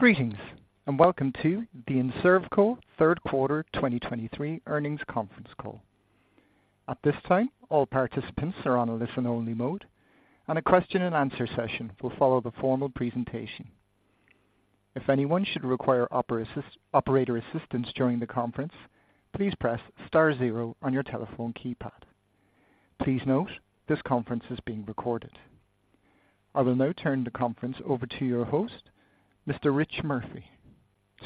Greetings, and welcome to the Enservco third quarter 2023 earnings conference call. At this time, all participants are on a listen-only mode, and a question and answer session will follow the formal presentation. If anyone should require operator assistance during the conference, please press star zero on your telephone keypad. Please note, this conference is being recorded. I will now turn the conference over to your host, Mr. Rich Murphy.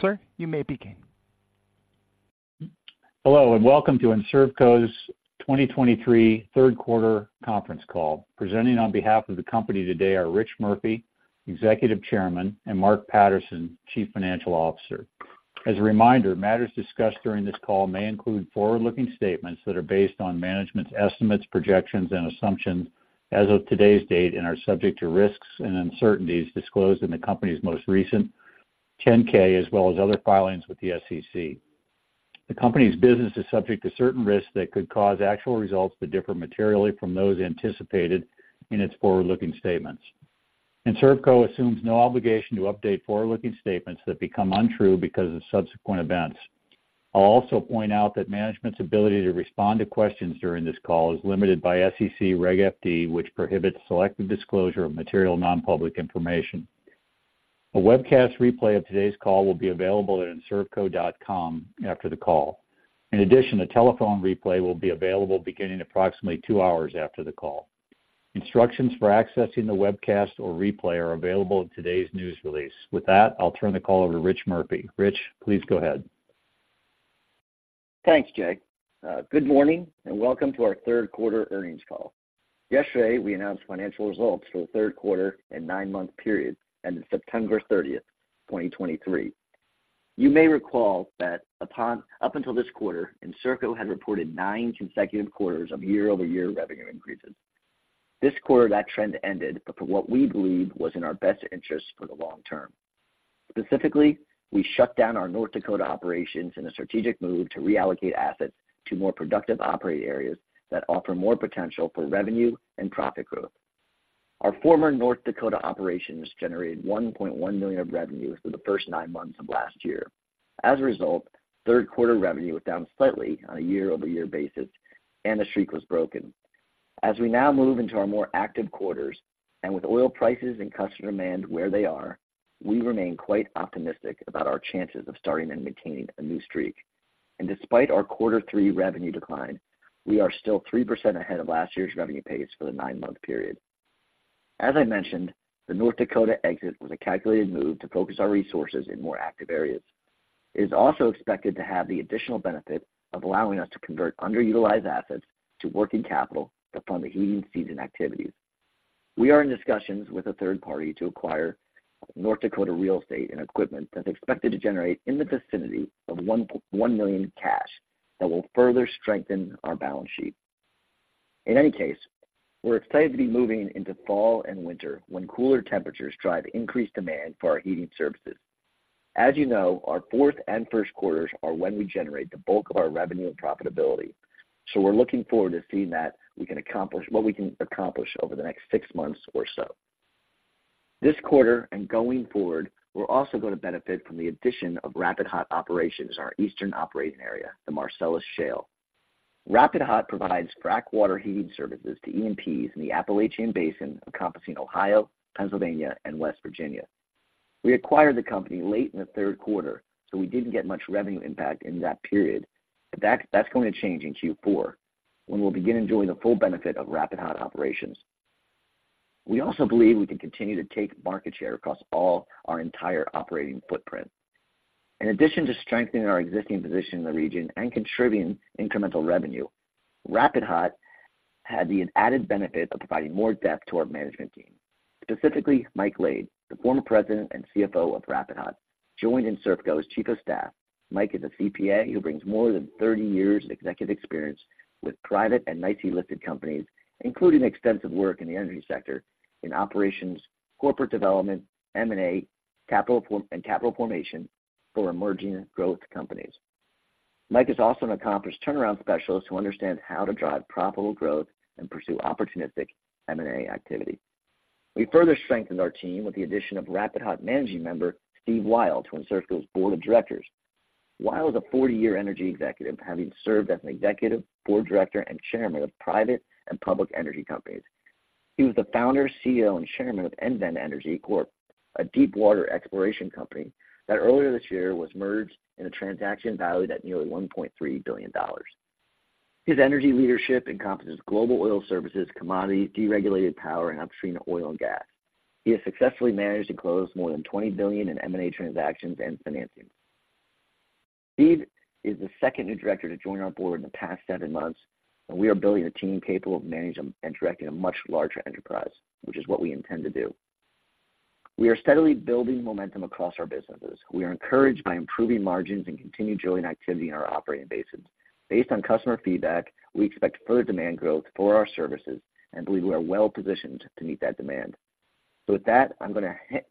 Sir, you may begin. Hello, and welcome to Enservco's 2023 third quarter conference call. Presenting on behalf of the company today are Rich Murphy, Executive Chairman, and Mark Patterson, Chief Financial Officer. As a reminder, matters discussed during this call may include forward-looking statements that are based on management's estimates, projections, and assumptions as of today's date and are subject to risks and uncertainties disclosed in the company's most recent 10-K, as well as other filings with the SEC. The company's business is subject to certain risks that could cause actual results to differ materially from those anticipated in its forward-looking statements. Enservco assumes no obligation to update forward-looking statements that become untrue because of subsequent events. I'll also point out that management's ability to respond to questions during this call is limited by SEC Reg FD, which prohibits selective disclosure of material, non-public information. A webcast replay of today's call will be available at enservco.com after the call. In addition, a telephone replay will be available beginning approximately two hours after the call. Instructions for accessing the webcast or replay are available in today's news release. With that, I'll turn the call over to Rich Murphy. Rich, please go ahead. Thanks, Jay. Good morning, and welcome to our third quarter earnings call. Yesterday, we announced financial results for the third quarter and nine-month period, ending September 30th, 2023. You may recall that up until this quarter, Enservco had reported nine consecutive quarters of year-over-year revenue increases. This quarter, that trend ended, but for what we believe was in our best interest for the long term. Specifically, we shut down our North Dakota operations in a strategic move to reallocate assets to more productive operating areas that offer more potential for revenue and profit growth. Our former North Dakota operations generated $1.1 million of revenue for the first nine months of last year. As a result, third quarter revenue was down slightly on a year-over-year basis, and the streak was broken. As we now move into our more active quarters, and with oil prices and customer demand where they are, we remain quite optimistic about our chances of starting and maintaining a new streak. Despite our quarter three revenue decline, we are still 3% ahead of last year's revenue pace for the nine-month period. As I mentioned, the North Dakota exit was a calculated move to focus our resources in more active areas. It is also expected to have the additional benefit of allowing us to convert underutilized assets to working capital to fund the heating season activities. We are in discussions with a third party to acquire North Dakota real estate and equipment that's expected to generate in the vicinity of $1.1 million in cash that will further strengthen our balance sheet. In any case, we're excited to be moving into fall and winter, when cooler temperatures drive increased demand for our heating services. As you know, our fourth and first quarters are when we generate the bulk of our revenue and profitability, so we're looking forward to seeing what we can accomplish over the next six months or so. This quarter and going forward, we're also going to benefit from the addition of Rapid Hot operations, our eastern operating area, the Marcellus Shale. Rapid Hot provides frac water heating services to E&Ps in the Appalachian Basin, encompassing Ohio, Pennsylvania, and West Virginia. We acquired the company late in the third quarter, so we didn't get much revenue impact in that period. But that's going to change in Q4, when we'll begin enjoying the full benefit of Rapid Hot operations. We also believe we can continue to take market share across all our entire operating footprint. In addition to strengthening our existing position in the region and contributing incremental revenue, Rapid Hot had the added benefit of providing more depth to our management team. Specifically, Mike Lade, the former President and CFO of Rapid Hot, joined Enservco as Chief of Staff. Mike is a CPA who brings more than 30 years of executive experience with private and NYSE-listed companies, including extensive work in the energy sector, in operations, corporate development, M&A, and capital formation for emerging growth companies. Mike is also an accomplished turnaround specialist who understands how to drive profitable growth and pursue opportunistic M&A activity. We further strengthened our team with the addition of Rapid Hot managing member, Steve Weyel, to Enservco's Board of Directors. Weyel is a 40-year energy executive, having served as an executive, board director, and chairman of private and public energy companies. He was the Founder, CEO, and Chairman of EnVen Energy Corp, a deepwater exploration company that earlier this year was merged in a transaction valued at nearly $1.3 billion. His energy leadership encompasses global oil services, commodities, deregulated power, and upstream oil and gas. He has successfully managed to close more than $20 billion in M&A transactions and financing. Steve is the second new director to join our board in the past seven months, and we are building a team capable of managing and directing a much larger enterprise, which is what we intend to do. We are steadily building momentum across our businesses. We are encouraged by improving margins and continued drilling activity in our operating basins. Based on customer feedback, we expect further demand growth for our services and believe we are well-positioned to meet that demand. So with that, I'm gonna hand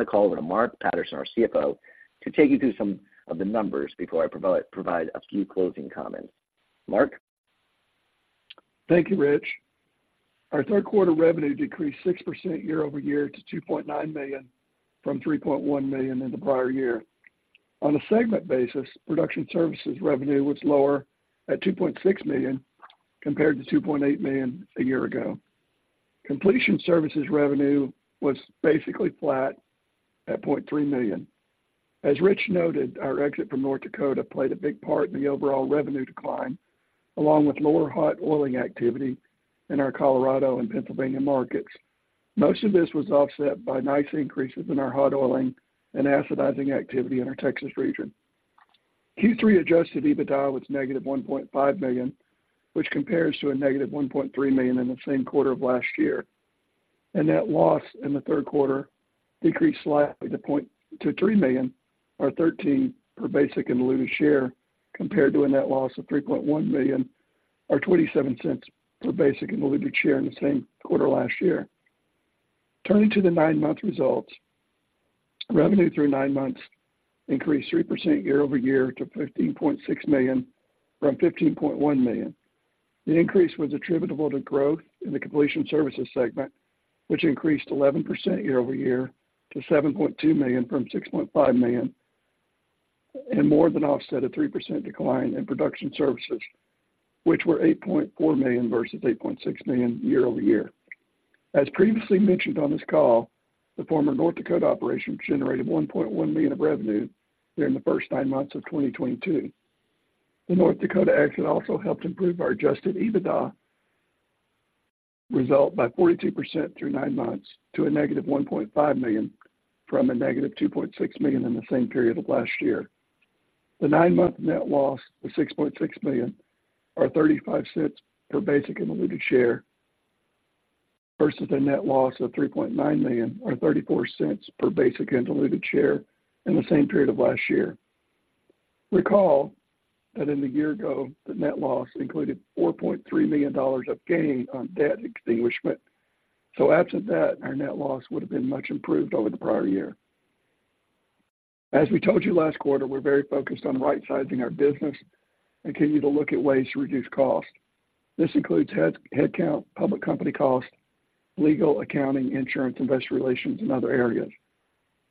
the call over to Mark Patterson, our CFO, to take you through some of the numbers before I provide a few closing comments. Mark? Thank you, Rich. Our third quarter revenue decreased 6% year-over-year to $2.9 million from $3.1 million in the prior year. On a segment basis, production services revenue was lower at $2.6 million compared to $2.8 million a year ago. Completion services revenue was basically flat at $0.3 million. As Rich noted, our exit from North Dakota played a big part in the overall revenue decline, along with lower hot oiling activity in our Colorado and Pennsylvania markets. Most of this was offset by nice increases in our hot oiling and acidizing activity in our Texas region. Q3 adjusted EBITDA was -$1.5 million, which compares to a -$1.3 million in the same quarter of last year. That loss in the third quarter decreased slightly to $3 million or $0.13 per basic and diluted share, compared to a net loss of $3.1 million or $0.27 per basic and diluted share in the same quarter last year. Turning to the nine-month results, revenue through nine months increased 3% year-over-year to $15.6 million from $15.1 million. The increase was attributable to growth in the completion services segment, which increased 11% year-over-year to $7.2 million from $6.5 million, and more than offset a 3% decline in production services, which were $8.4 million versus $8.6 million year-over-year. As previously mentioned on this call, the former North Dakota operation generated $1.1 million of revenue during the first nine months of 2022. The North Dakota exit also helped improve our adjusted EBITDA result by 42% through nine months to -$1.5 million from -$2.6 million in the same period of last year. The nine-month net loss was $6.6 million or $0.35 per basic and diluted share, versus a net loss of $3.9 million or $0.34 per basic and diluted share in the same period of last year. Recall that in the year ago, the net loss included $4.3 million of gain on debt extinguishment. So absent that, our net loss would have been much improved over the prior year. As we told you last quarter, we're very focused on right sizing our business and continue to look at ways to reduce costs. This includes head, headcount, public company costs, legal, accounting, insurance, investor relations, and other areas.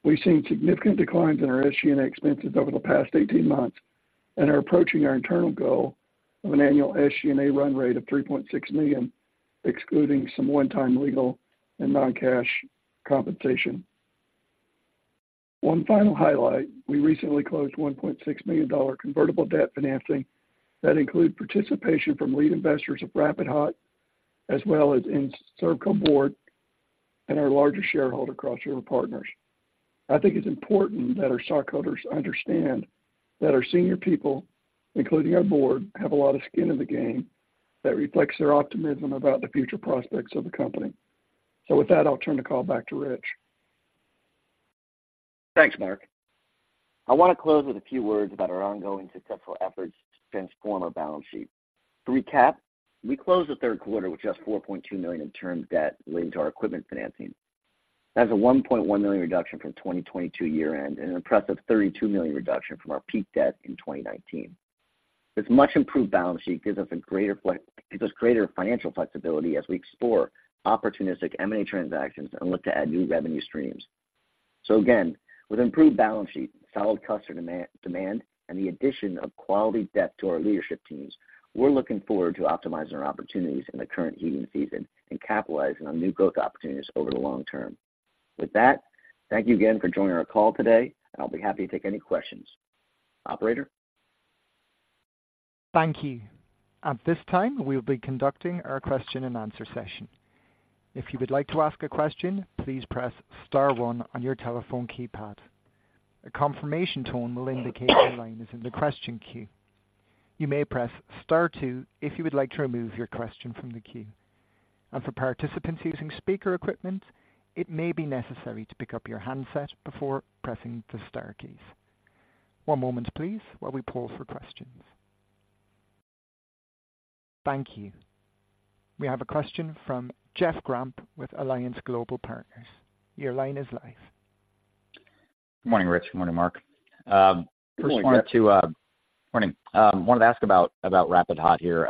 We've seen significant declines in our SG&A expenses over the past 18 months and are approaching our internal goal of an annual SG&A run rate of $3.6 million, excluding some one-time legal and non-cash compensation. One final highlight, we recently closed $1.6 million convertible debt financing that include participation from lead investors of Rapid Hot, as well as Enservco Board and our larger shareholder, Cross River Partners. I think it's important that our stockholders understand that our senior people, including our board, have a lot of skin in the game that reflects their optimism about the future prospects of the company. So with that, I'll turn the call back to Rich. Thanks, Mark. I want to close with a few words about our ongoing successful efforts to transform our balance sheet. To recap, we closed the third quarter with just $4.2 million in term debt related to our equipment financing. That's a $1.1 million reduction from 2022 year end and an impressive $32 million reduction from our peak debt in 2019. This much improved balance sheet gives us greater financial flexibility as we explore opportunistic M&A transactions and look to add new revenue streams. So again, with improved balance sheet, solid customer demand, and the addition of quality depth to our leadership teams, we're looking forward to optimizing our opportunities in the current heating season and capitalizing on new growth opportunities over the long term. With that, thank you again for joining our call today, and I'll be happy to take any questions. Operator? Thank you. At this time, we'll be conducting our question and answer session. If you would like to ask a question, please press star one on your telephone keypad. A confirmation tone will indicate your line is in the question queue. You may press star two if you would like to remove your question from the queue. For participants using speaker equipment, it may be necessary to pick up your handset before pressing the star keys. One moment, please, while we pause for questions. Thank you. We have a question from Jeff Grampp with Alliance Global Partners. Your line is live. Good morning, Rich. Good morning, Mark. Good morning, Jeff. Morning. Wanted to ask about Rapid Hot here.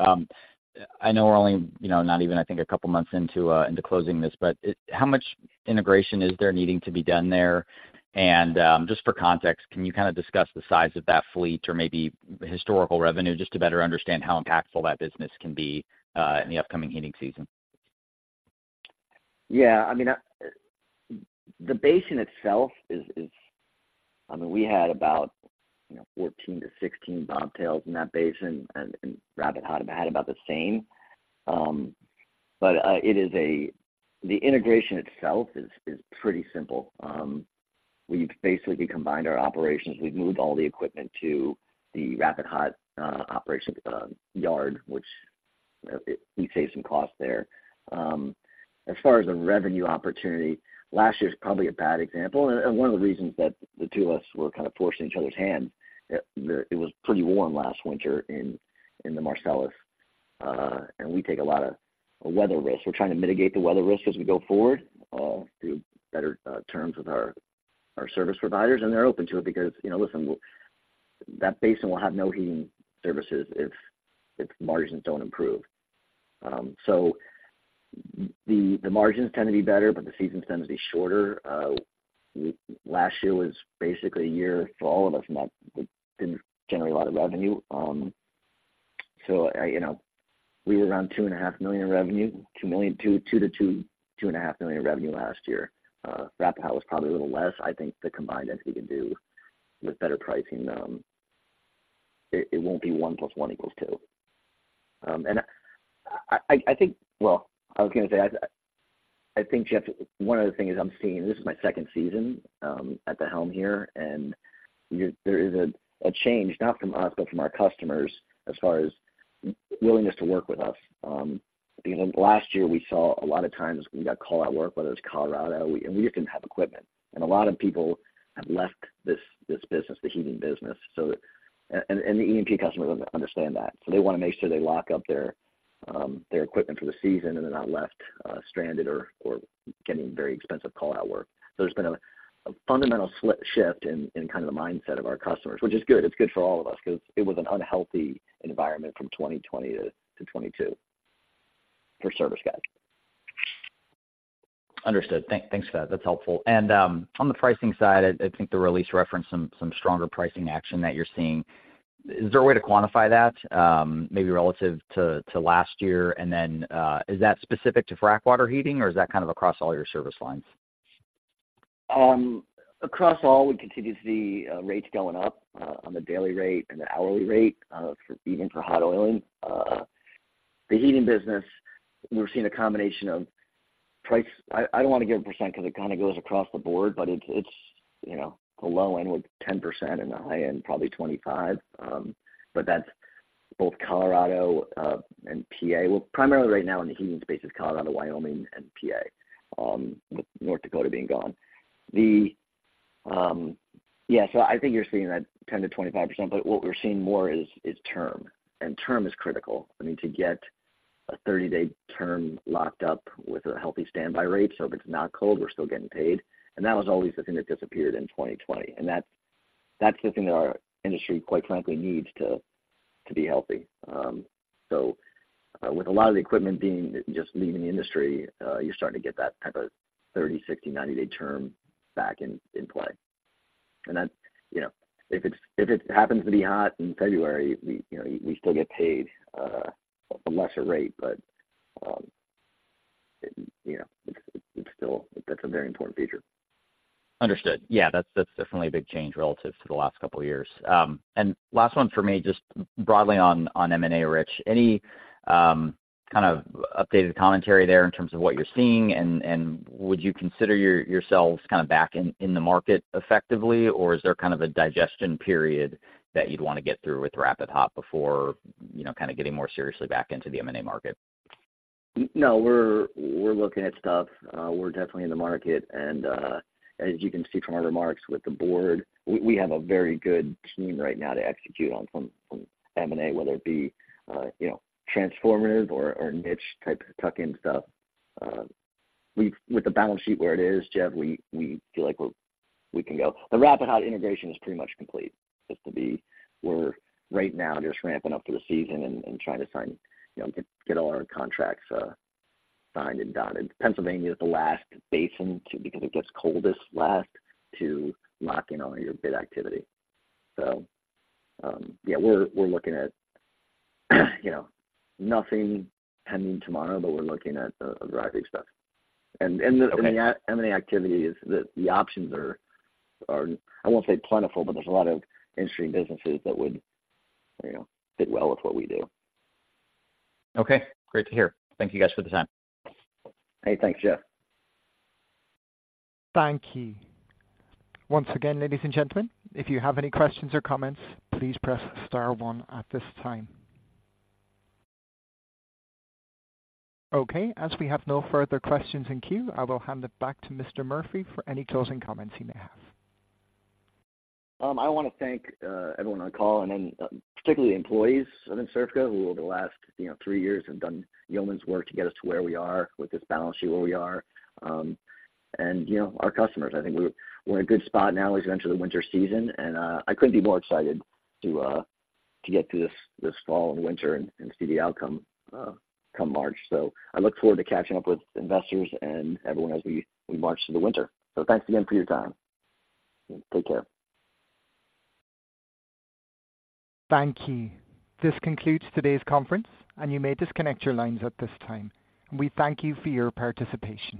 I know we're only, you know, not even, I think, a couple of months into closing this, but how much integration is there needing to be done there? And, just for context, can you kind of discuss the size of that fleet or maybe historical revenue, just to better understand how impactful that business can be in the upcoming heating season? Yeah, I mean, the basin itself is. I mean, we had about, you know, 14-16 bobtails in that basin, and Rapid Hot had about the same. But the integration itself is pretty simple. We've basically combined our operations. We've moved all the equipment to the Rapid Hot operations yard, which we save some costs there. As far as the revenue opportunity, last year's probably a bad example and one of the reasons that the two of us were kind of forcing each other's hands. There, it was pretty warm last winter in the Marcellus, and we take a lot of weather risks. We're trying to mitigate the weather risks as we go forward through better terms with our service providers, and they're open to it because, you know, listen, that basin will have no heating services if margins don't improve. So the margins tend to be better, but the season tends to be shorter. Last year was basically a year for all of us that didn't generate a lot of revenue. So, I, you know, we were around $2.5 million in revenue, $2 million-$2.5 million in revenue last year. Rapid Hot was probably a little less. I think the combined entity can do with better pricing, it won't be one plus one equals two. And I think, Jeff, one of the things I'm seeing, this is my second season at the helm here, and there is a change, not from us, but from our customers, as far as willingness to work with us. Because last year we saw a lot of times we got call-out work, whether it's Colorado, and we didn't have equipment, and a lot of people have left this business, the heating business, so that and the E&P customers understand that, so they wanna make sure they lock up their equipment for the season and they're not left stranded or getting very expensive call-out work. So there's been a fundamental shift in kind of the mindset of our customers, which is good. It's good for all of us because it was an unhealthy environment from 2020 to 2022 for service guys. Understood. Thanks for that. That's helpful. And on the pricing side, I think the release referenced some stronger pricing action that you're seeing. Is there a way to quantify that, maybe relative to last year? And then, is that specific to frac water heating, or is that kind of across all your service lines? Across all, we continue to see rates going up on the daily rate and the hourly rate for even for hot oiling. The heating business, we're seeing a combination of price. I don't want to give a percent because it kind of goes across the board, but it's, it's, you know, the low end with 10% and the high end, probably 25%. But that's both Colorado and PA. Well, primarily right now in the heating space is Colorado, Wyoming, and PA, with North Dakota being gone. The, yeah, so I think you're seeing that 10%-25%, but what we're seeing more is term, and term is critical. I mean, to get a 30-day term locked up with a healthy standby rate, so if it's not cold, we're still getting paid. And that was always the thing that disappeared in 2020, and that's the thing that our industry, quite frankly, needs to be healthy. So, with a lot of the equipment being just leaving the industry, you're starting to get that type of 30-, 60-, 90-day term back in play. And that's, you know, if it's if it happens to be hot in February, we, you know, we still get paid a lesser rate, but, you know, it's still that's a very important feature. Understood. Yeah, that's, that's definitely a big change relative to the last couple of years. And last one for me, just broadly on M&A, Rich. Any kind of updated commentary there in terms of what you're seeing, and would you consider yourselves kind of back in the market effectively? Or is there kind of a digestion period that you'd want to get through with Rapid Hot before, you know, kind of getting more seriously back into the M&A market? No, we're, we're looking at stuff. We're definitely in the market, and, as you can see from our remarks with the board, we, we have a very good team right now to execute on some, some M&A, whether it be, you know, transformative or, or niche type of tuck-in stuff. We've with the balance sheet where it is, Jeff, we, we feel like we're, we can go. The Rapid Hot integration is pretty much complete, just to be, we're right now just ramping up for the season and, and trying to sign, you know, get all our contracts, signed and done. And Pennsylvania is the last basin to, because it gets coldest last, to lock in all your bid activity. So, yeah, we're, we're looking at, you know, nothing pending tomorrow, but we're looking at a variety of stuff. Okay. And the M&A activity is the options are. I won't say plentiful, but there's a lot of interesting businesses that would, you know, fit well with what we do. Okay, great to hear. Thank you guys for the time. Hey, thanks, Jeff. Thank you. Once again, ladies and gentlemen, if you have any questions or comments, please press star one at this time. Okay, as we have no further questions in queue, I will hand it back to Mr. Murphy for any closing comments he may have. I want to thank everyone on the call, and then particularly the employees of Enservco, who over the last, you know, three years have done yeoman's work to get us to where we are, with this balance sheet where we are. And, you know, our customers, I think we're in a good spot now as we enter the winter season, and I couldn't be more excited to get through this fall and winter and see the outcome come March. So I look forward to catching up with investors and everyone as we march through the winter. So thanks again for your time. Take care. Thank you. This concludes today's conference, and you may disconnect your lines at this time. We thank you for your participation.